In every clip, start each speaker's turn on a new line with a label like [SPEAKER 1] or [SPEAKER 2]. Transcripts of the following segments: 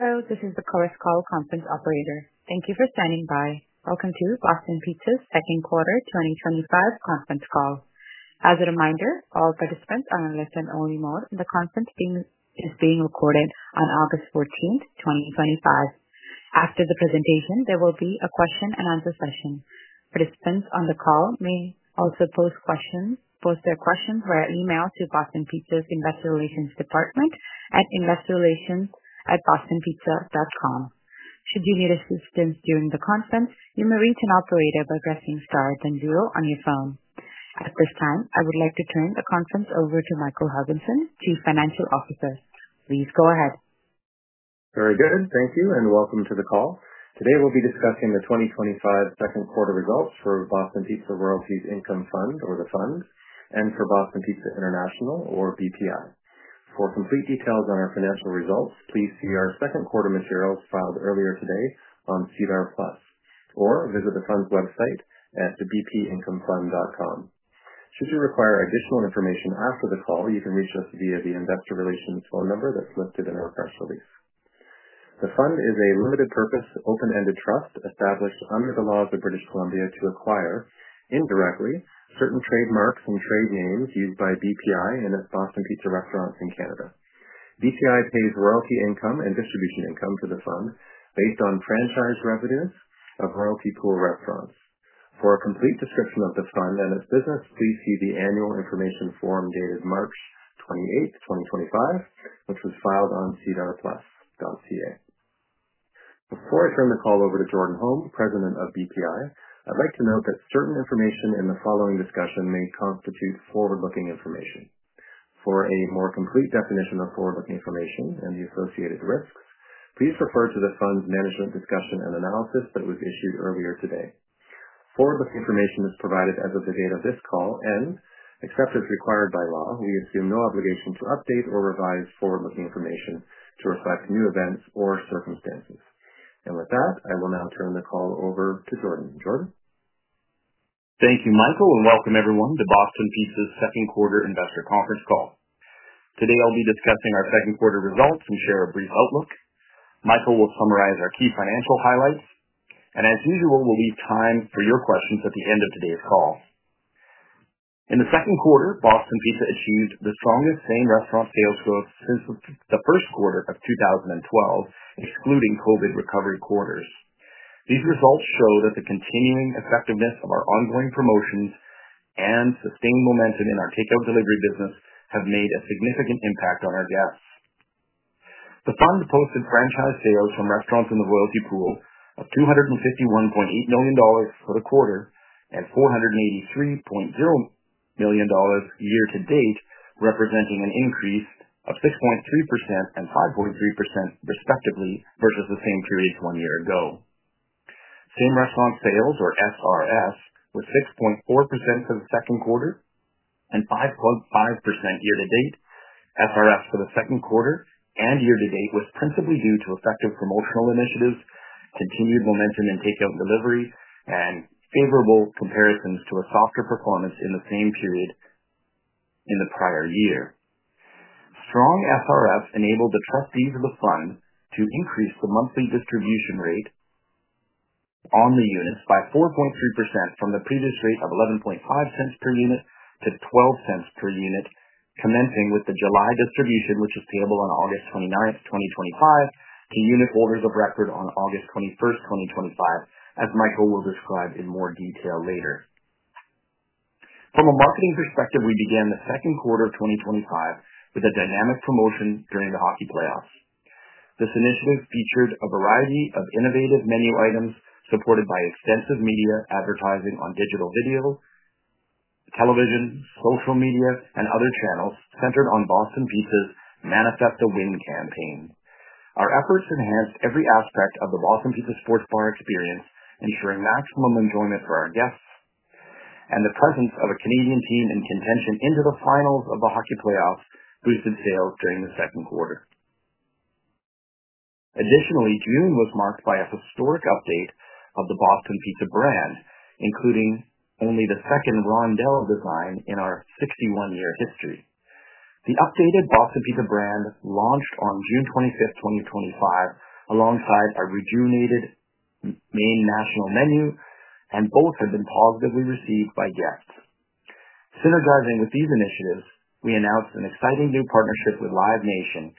[SPEAKER 1] Hello, this is the first call conference operator. Thank you for signing by. Welcome to Boston Pizza's Second Quarter 2025 Conference Call. As a reminder, all participants are on listen-only mode. The conference is being recorded on August 14, 2025. After the presentation, there will be a question and answer session. Participants on the call may also post their questions via email to Boston Pizza's Investor Relations Department at investorrelations@bostonpizza.com. Should you need assistance during the conference, you may reach an operator by pressing star then zero on your phone. At this time, I would like to turn the conference over to Michael Harbinson, Chief Financial Officer. Please go ahead.
[SPEAKER 2] Very good. Thank you and welcome to the call. Today, we'll be discussing the 2025 Second Quarter Results for Boston Pizza Royalties Income Fund, or the Fund, and for Boston Pizza International or BPI. For complete details on our financial results, please see our second quarter materials filed earlier today on CBR Plus or visit the Fund's website at bpincomefund.com. Should you require additional information after the call, you can reach us via the Investor Relations phone number that's listed in our press release. The Fund is a limited purpose open-ended trust established under the laws of British Columbia to acquire indirectly certain trademarks and trade names used by BPI and its Boston Pizza restaurants in Canada. BPI pays royalty income and distribution income to the Fund based on franchise revenues of royalty pool restaurants. For a complete description of the Fund and its business, please see the annual information form dated March 28, 2025, which was filed on cbrplus.ca. Before I turn the call over to Jordan Holm, President of BPI, I'd like to note that certain information in the following discussion may constitute forward-looking information. For a more complete definition of forward-looking information and the associated risks, please refer to the Fund's Management Discussion and Analysis that was issued earlier today. Forward-looking information is provided as of the date of this call and, except as required by law, we assume no obligation to update or revise forward-looking information to reflect new events or circumstances. With that, I will now turn the call over to Jordan. Jordan.
[SPEAKER 3] Thank you, Michael, and welcome everyone to Boston Pizza's Second Quarter Investor Conference Call. Today, I'll be discussing our second quarter results and share a brief outlook. Michael will summarize our key financial highlights. As usual, we'll leave time for your questions at the end of today's call. In the second quarter, Boston Pizza achieved the strongest Same Restaurant Sales growth since the First Quarter of 2012, excluding COVID recovery quarters. These results show the continuing effectiveness of our ongoing promotions and sustained momentum in our takeout delivery business have made a significant impact on our guests. The Fund posted franchise sales from restaurants in the royalty pool of $251.8 million for the quarter and $483.0 million year to date, representing an increase of 6.3% and 5.3% respectively versus the same period one year ago. Same Restaurant Sales, or SRS, was 6.4% for the second quarter and 5.5% year to date. SRS for the second quarter and year to date was principally due to effective promotional initiatives, continued momentum in takeout delivery, and favorable comparisons to a softer performance in the same period in the prior year. Strong SRS enabled the trustees of the Fund to increase the monthly distribution rate on the units by 4.3% from the previous rate of $0.115 per unit to $0.12 per unit, commencing with the July distribution, which is payable on August 29, 2025, to unitholders of record on August 21st, 2025, as Michael will describe in more detail later. From a marketing perspective, we began the second quarter of 2025 with a dynamic promotion during the hockey playoffs. This initially featured a variety of innovative menu items supported by extensive media advertising on digital video, television, social media, and other channels centered on Boston Pizza's Manifesto Win campaign. Our efforts enhanced every aspect of the Boston Pizza Sports Bar experience, ensuring maximum enjoyment for our guests, and the presence of a Canadian team in contention into the finals of the hockey playoffs boosted sales during the second quarter. Additionally, June was marked by a historic update of the Boston Pizza brand, including only the second Rondell design in our 61-year history. The updated Boston Pizza brand launched on June 25th, 2025, alongside a rejuvenated main national menu, and both have been positively received by guests. Synergizing with these initiatives, we announced an exciting new partnership with Live Nation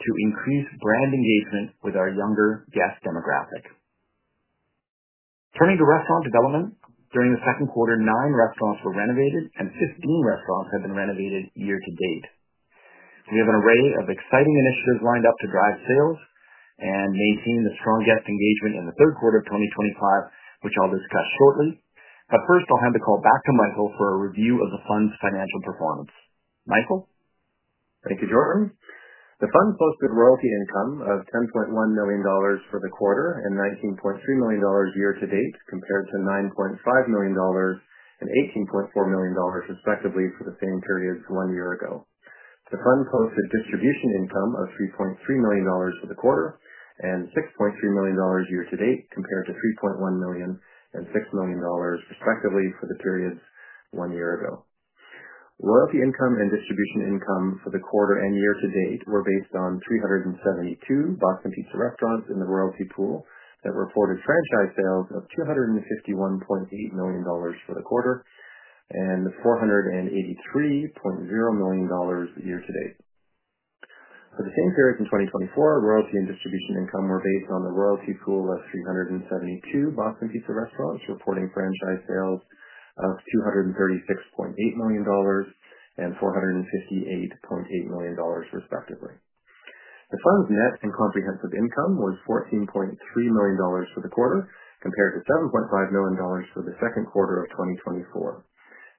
[SPEAKER 3] to increase brand engagement with our younger guest demographic. Turning to restaurant development, during the second quarter, nine restaurants were renovated, and 15 restaurants have been renovated year to date. We have an array of exciting initiatives lined up to drive sales and maintain the strong guest engagement in the third quarter of 2025, which I'll discuss shortly. First, I'll hand the call back to Michael for a review of the Fund's financial performance. Michael?
[SPEAKER 2] Thank you, Jordan. The Fund posted royalty income of $10.1 million for the quarter and $19.3 million year to date, compared to $9.5 million and $18.4 million respectively for the same period one year ago. The Fund posted distribution income of $3.3 million for the quarter and $6.3 million year to date, compared to $3.1 million and $6 million respectively for the periods one year ago. Royalty income and distribution income for the quarter and year to date were based on 372 Boston Pizza restaurants in the royalty pool that reported franchise sales of $251.8 million for the quarter and $483.0 million year to date. For the same period in 2024, royalty and distribution income were based on the royalty pool of 372 Boston Pizza restaurants reporting franchise sales of $236.8 million and $458.8 million respectively. The Fund's net and comprehensive income was $14.3 million for the quarter, compared to $7.5 million for the second quarter of 2024.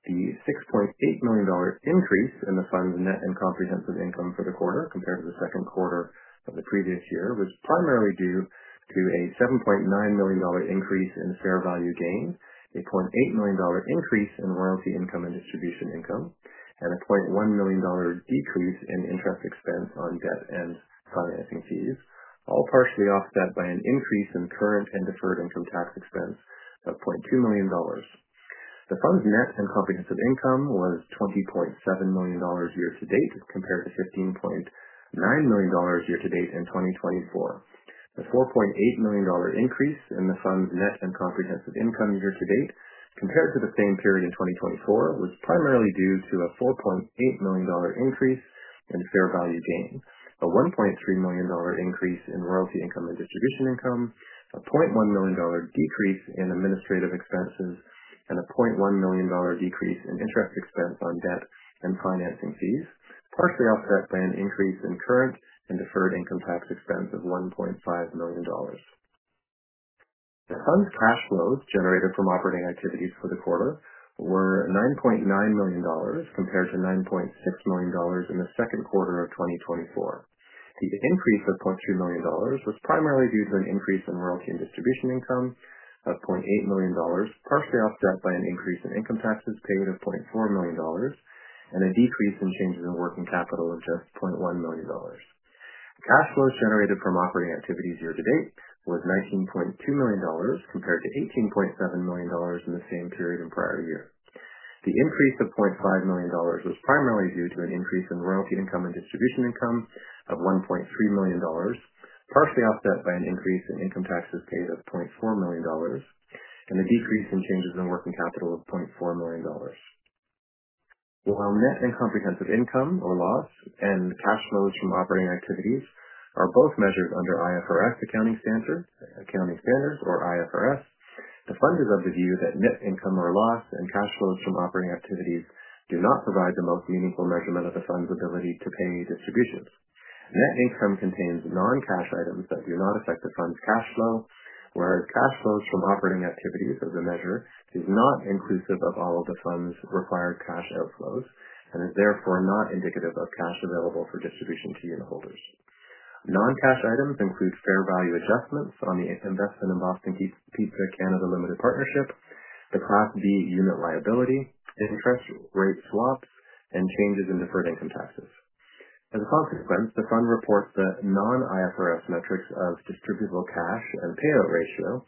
[SPEAKER 2] The $6.8 million increase in the Fund's net and comprehensive income for the quarter compared to the second quarter of the previous year was primarily due to a $7.9 million increase in fair value gain, a $0.8 million increase in royalty income and distribution income, and a $0.1 million decrease in interest expense on debt and financing fees, all partially offset by an increase in current and deferred income tax expense of $0.2 million. The Fund's net and comprehensive income was $20.7 million year to date, compared to $15.9 million year to date in 2024. A $4.8 million increase in the Fund's net and comprehensive income year to date compared to the same period in 2024 was primarily due to a $4.8 million increase in fair value gain, a $1.3 million increase in royalty income and distribution income, a $0.1 million decrease in administrative expenses, and a $0.1 million decrease in interest expense on debt and financing fees, partially offset by an increase in current and deferred income tax expense of $1.5 million. The Fund's cash flows generated from operating activities for the quarter were $9.9 million compared to $9.6 million in the second quarter of 2024. The increase of $0.2 million was primarily due to an increase in royalty and distribution income of $0.8 million, partially offset by an increase in income taxes paid of $0.4 million, and a decrease in changes in working capital of just $0.1 million. Cash flows generated from operating activities year to date were $19.2 million compared to $18.7 million in the same period in prior years. The increase of $0.5 million was primarily due to an increase in royalty income and distribution income of $1.3 million, partially offset by an increase in income taxes paid of $0.4 million and a decrease in changes in working capital of $0.4 million. While net and comprehensive income, or loss, and cash flows from operating activities are both measured under IFRS accounting standard, or IFRS, the Fund is of the view that net income, or loss, and cash flows from operating activities do not provide the most meaningful measurement of the Fund's ability to pay any distributions. Net income contains non-cash items that do not affect the Fund's cash flow, whereas cash flows from operating activities as a measure is not inclusive of all of the Fund's required cash outflows and is therefore not indicative of cash available for distribution to unitholders. Non-cash items include fair value adjustments on the IP Investment and Boston Pizza Holdings Limited Partnership, the Prop B unit liability, interest rate swap, and changes in deferred income taxes. As a consequence, the Fund reports the non-IFRS metrics of distributable cash and payout ratio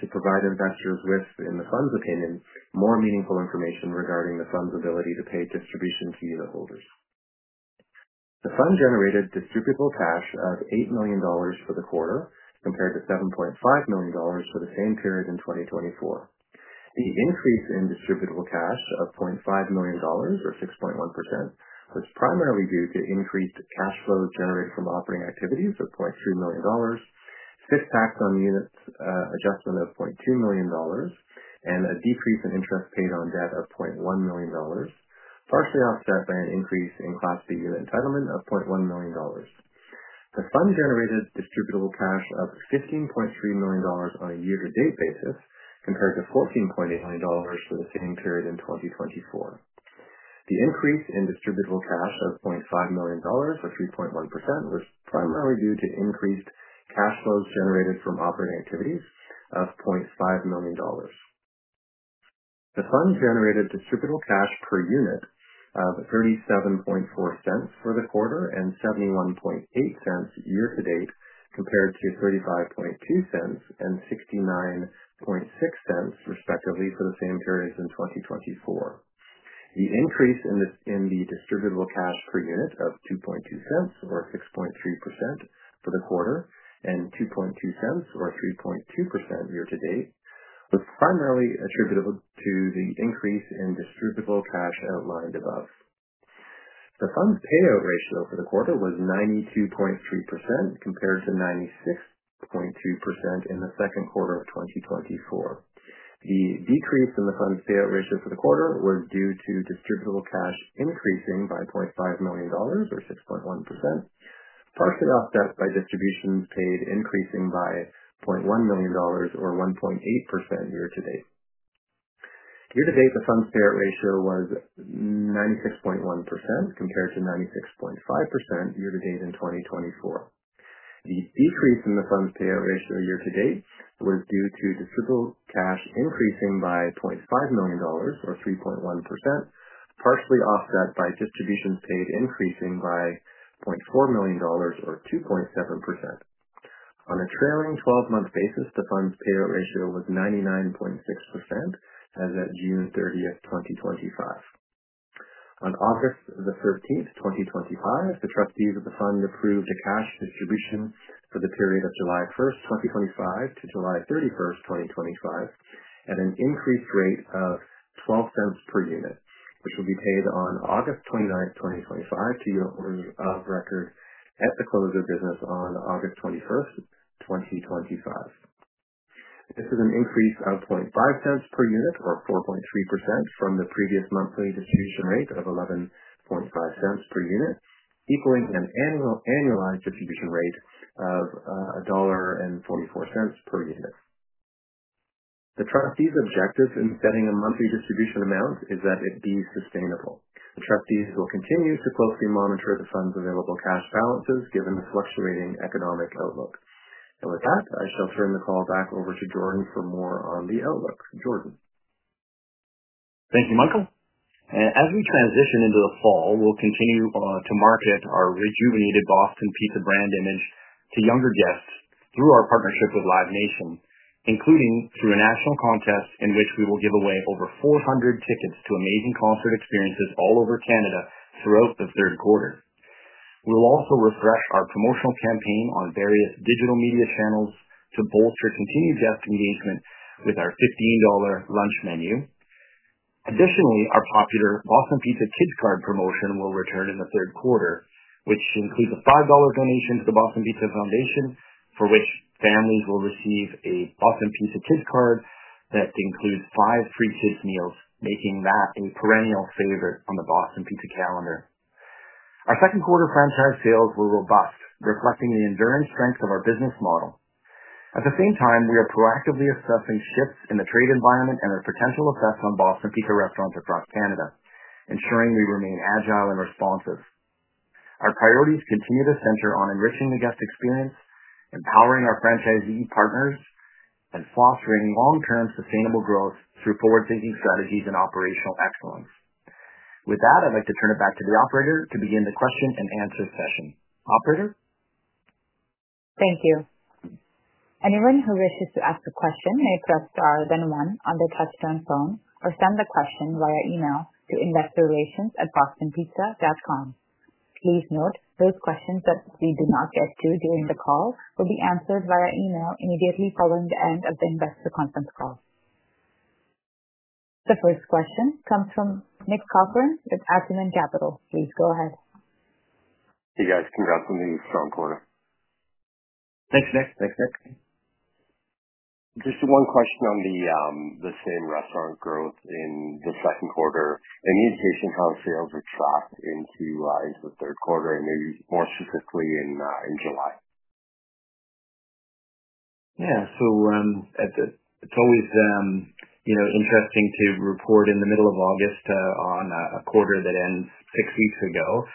[SPEAKER 2] to provide investors with, in the Fund's opinion, more meaningful information regarding the Fund's ability to pay distribution to unitholders. The Fund generated distributable cash of $8 million for the quarter compared to $7.5 million for the same period in 2024. The increase in distributable cash of $0.5 million, or 6.1%, was primarily due to increased cash flows generated from operating activities of $0.3 million, space tax on units adjustment of $0.2 million, and a decrease in interest paid on debt of $0.1 million, partially offset by an increase in Class C unit entitlement of $0.1 million. The Fund generated distributable cash of $15.3 million on a year to date basis compared to $14.8 million for the same period in 2024. The increase in distributable cash of $0.5 million, or 3.1%, was primarily due to increased cash flows generated from operating activities of $0.5 million. The Fund generated distributable cash per unit of $0.374 for the quarter and $0.718 year to date compared to $0.352 and $0.696, respectively, for the same periods in 2024. The increase in the distributable cash per unit of $0.022, or 6.3% for the quarter, and $0.022, or 3.2% year to date was primarily attributable to the increase in distributable cash outlined above. The Fund's payout ratio for the quarter was 92.3% compared to 96.2% in the second quarter of 2024. The decrease in the Fund's payout ratio for the quarter was due to distributable cash increasing by $0.5 million, or 6.1%, partially offset by distributions paid increasing by $0.1 million, or 1.8% year to date. Year to date, the Fund's payout ratio was 96.1% compared to 96.5% year to date in 2024. The decerease in the Fund's payout ratio year to date was due to distributable cash increasing by $0.5 million, or 3.1%, partially offset by distributions paid increasing by $0.4 million, or 2.7%. On a trailing 12-month basis, the Fund's payout ratio was 99.6% as of June 30th, 2025. On August 15th, 2025, the trustees of the Fund approved the cash distribution for the period of July 1st, 2025, to July 31st, 2025, at an increased rate of $0.12 per unit, which will be paid on August 29th, 2025, to unitholders of record at the close of business on August 21st, 2025. This is an increase of $0.005 per unit, or 4.3% from the previous monthly distribution rate of $0.115 per unit, equaling an annualized distribution rate of $1.44 per unit. The trustees' objective in setting a monthly distribution amount is that it be sustainable. The trustees will continue to closely monitor the Fund's available cash balances, given the fluctuating economic outlook. With that, I shall turn the call back over to Jordan for more on the outlook. Jordan.
[SPEAKER 3] Thank you, Michael. As we transition into the fall, we'll continue to market our rejuvenated Boston Pizza brand image to younger guests through our partnership with Live Nation, including through a national contest in which we will give away over 400 tickets to amazing concert experiences all over Canada throughout the third quarter. We'll also refresh our promotional campaign on various digital media channels to bolster continued guest engagement with our $15 lunch menu. Additionally, our popular Boston Pizza Kids Card promotion will return in the third quarter, which includes a $5 donation to the Boston Pizza Foundation, for which families will receive a Boston Pizza Kids Card that includes five free kids' meals, making that a perennial favor on the Boston Pizza calendar. Our second quarter franchise sales were robust, reflecting the enduring strength of our business model. At the same time, we are proactively assessing shifts in the trade environment and their potential effects on Boston Pizza restaurants across Canada, ensuring we remain agile and responsive. Our priorities continue to center on enriching the guest experience, empowering our franchisee partners, and fostering long-term sustainable growth through forward-thinking strategies and operational excellence. With that, I'd like to turn it back to the operator to begin the question and answer session. Operator?
[SPEAKER 1] Thank you. Anyone who wishes to ask a question may press star then one on the touch-tone phone or send the question via email to investorrelations@bostonpizza.com. Please note those questions that we do not get to during the call will be answered via email immediately following the end of the Investor Conference Call. The first question comes from Nick Cochran with Aspen Capital. Please go ahead.
[SPEAKER 4] Hey, guys. Congrats on the second quarter.
[SPEAKER 3] Thanks, Nick.
[SPEAKER 4] Just one question on the Same Restaurant Sales growth in the second quarter. Any indication of how sales have trended into the third quarter, and maybe more specifically in July?
[SPEAKER 3] Yeah. It's always interesting to report in the middle of August on a quarter that ends six weeks ago.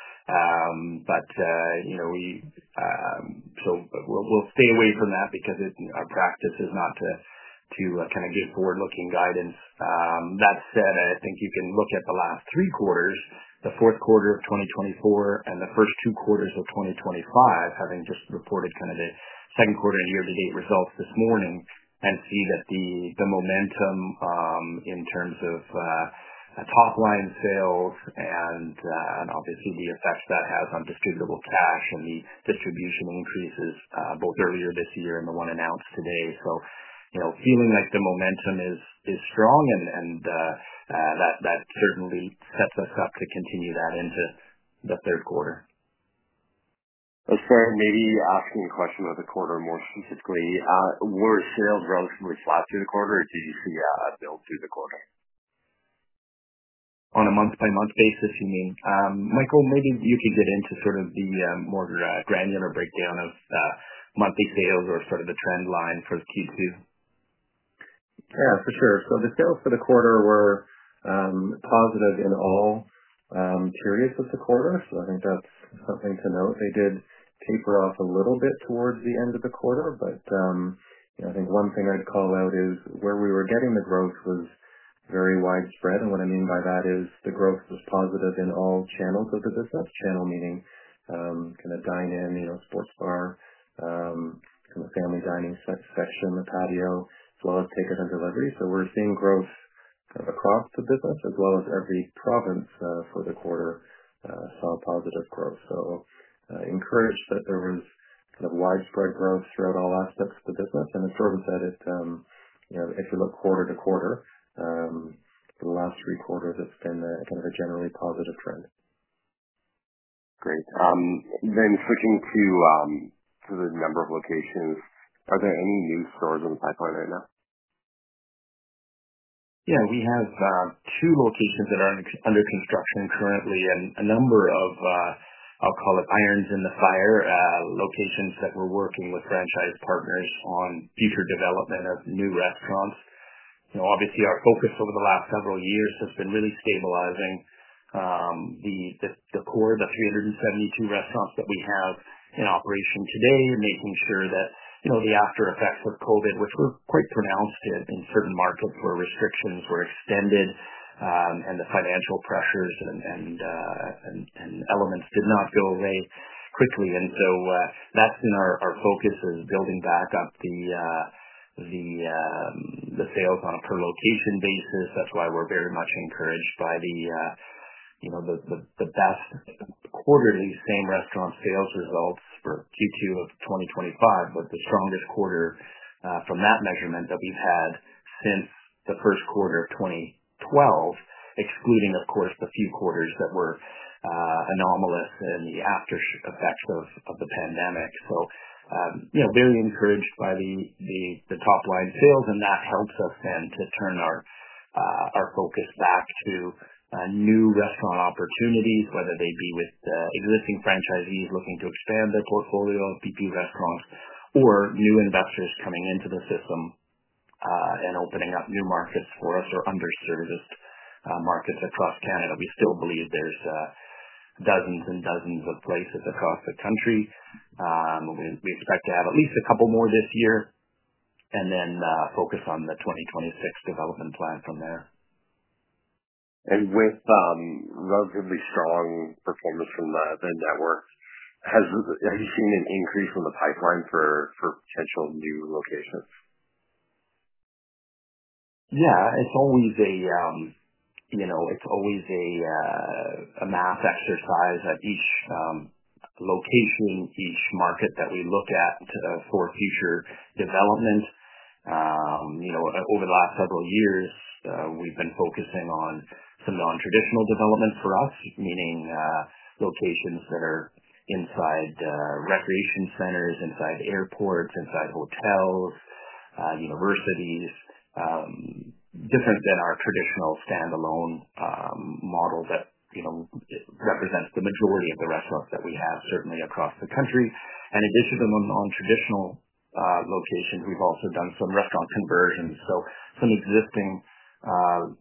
[SPEAKER 3] We'll stay away from that because our practice is not to give forward-looking guidance. That said, I think you can look at the last three quarters, the fourth quarter of 2024, and the first two quarters of 2025. I think just reported the second quarter year-to-date results this morning and see that the momentum in terms of top-line sales and, obviously, the effect that has on distributable cash and the distribution increases both earlier this year and the one announced today. You know, feeling like the momentum is strong, and that certainly sets us up to continue that into the third quarter.
[SPEAKER 4] Sir, maybe ask me a question about the quarter more specifically. Were sales relatively flat through the quarter, or did you see a build through the quarter?
[SPEAKER 3] On a month-by-month basis, you mean? Michael, maybe you could get into the more granular breakdown of monthly sales or the trend line for the Q2?
[SPEAKER 2] Yeah, for sure. The sales for the quarter were positive in all areas of the quarter. I think that's something to note. They did taper off a little bit towards the end of the quarter, but I think one thing I'd call out is where we were getting the growth was very widespread. What I mean by that is the growth was positive in all channels of the business, channel meaning in a dining and a sports bar, a family dining section, the patio, as well as takeout and delivery. We're seeing growth across the business, as well as every twelfth for the quarter saw positive growth. I encourage that there was kind of widespread growth throughout all aspects of the business. The proof is that if you look quarter to quarter, for the last three quarters, it's been a generally positive trend.
[SPEAKER 4] Great. Switching to the number of locations, are there any new stores in the pipeline right now?
[SPEAKER 2] Yeah. We have two locations that are under construction currently and a number of, I'll call it, irons in the fire, locations that we're working with franchise partners on future development of new restaurants. Obviously, our focus over the last several years has been really stabilizing the core of the 372 restaurants that we have in operation today, making sure that the aftereffects of COVID, which were quite pronounced in certain markets where restrictions were extended, and the financial pressures and elements did not go away quickly. That's been our focus of building back up the sales on a per-location basis. That's why we're very much encouraged by the best quarterly Same Restaurant Sales results for Q2 of 2025, with the strongest quarter from that measurement that we've had since the First Quarter of 2012, excluding, of course, the few quarters that were anomalous in the aftereffects of the pandemic. Very encouraged by the top-line sales, and that helps us then to turn our focus back to new restaurant opportunities, whether they be with existing franchisees looking to expand their portfolio of BP restaurants or new investors coming into the system and opening up new markets for us or underserviced markets across Canada. We still believe there's dozens and dozens of places across the country. We expect to have at least a couple more this year and then focus on the 2026 development plan from there.
[SPEAKER 4] With relatively strong performance from that network, have you seen an increase in the pipeline for potential new locations?
[SPEAKER 2] Yeah. It's always a math exercise at each location, each market that we look at for future development. Over the last several years, we've been focusing on some non-traditional development opportunities for us, meaning locations that are inside recreation centers, inside airports, inside hotels, universities, different than our traditional standalone model that represents the majority of the restaurants that we have, certainly across the country. In addition to the non-traditional locations, we've also done some restaurant conversions, so some existing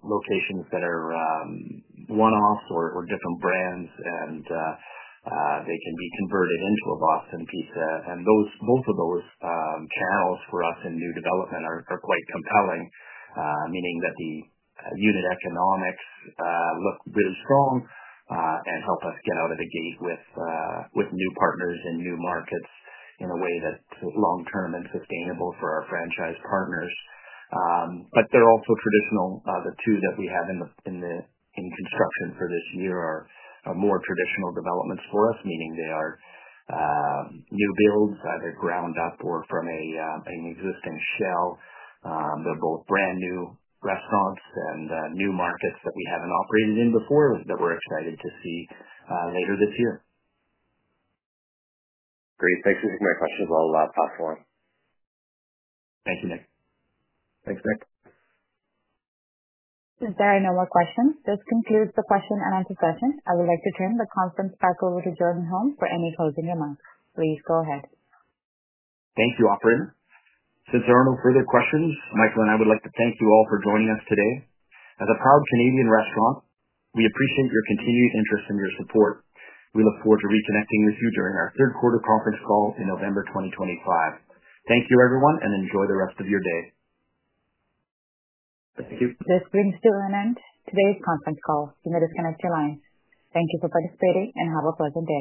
[SPEAKER 2] locations that are one-offs or different brands, and they can be converted into a Boston Pizza. Both of those channels for us in new development are quite compelling, meaning that the unit economics look very strong and help us get out of the gate with new partners and new markets in a way that's long-term and sustainable for our franchise partners. There are also traditional locations. The two that we have in construction for this year are more traditional developments for us, meaning they are new builds, either ground up or from an existing shell. They're both brand new restaurants and new markets that we haven't operated in before that we're excited to see later this year.
[SPEAKER 4] Great, thanks for the questions. I'll pass it on.
[SPEAKER 2] Thank you, Nick.
[SPEAKER 3] Thanks, Nick.
[SPEAKER 1] Since there are no more questions, this concludes the question and answer session. I would like to turn the conference back over to Jordan Holm for any closing remarks. Please go ahead.
[SPEAKER 3] Thank you, operator. To journal further questions, Michael and I would like to thank you all for joining us today. As a proud Canadian restaurant, we appreciate your continued interest and your support. We look forward to reconnecting with you during our third quarter conference call in November 2025. Thank you, everyone, and enjoy the rest of your day.
[SPEAKER 2] Thank you.
[SPEAKER 1] This brings to an end today's conference call. You may disconnect your lines. Thank you for participating and have a pleasant day.